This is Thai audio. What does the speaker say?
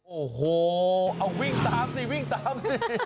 โอ้โหเอาวิ่งตามสิวิ่งตามสิ